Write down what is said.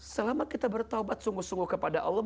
selama kita bertaubat sungguh sungguh kepada allah